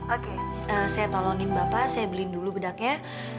oke saya tolongin bapak saya beliin dulu bedaknya